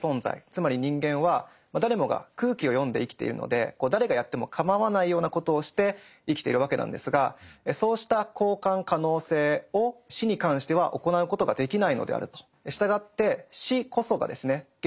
つまり人間は誰もが空気を読んで生きているので誰がやってもかまわないようなことをして生きているわけなんですがそうした交換可能性を死に関しては行うことができないのであると。